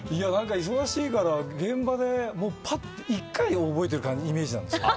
忙しいから現場で１回で覚えてるイメージなんですけど。